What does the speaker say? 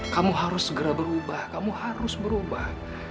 kamu harus segera berubah kamu harus berubah